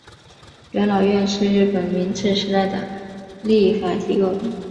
元老院是日本明治时代的立法机构。